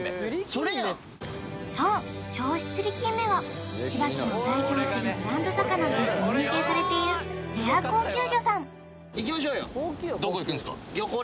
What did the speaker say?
それやんそう銚子つりきんめは千葉県を代表するブランド魚として認定されているレア高級魚さんどこ行くんすか？